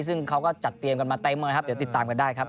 ซึ่งเขาก็จัดเตรียมกันมาเต็มนะครับเดี๋ยวติดตามกันได้ครับ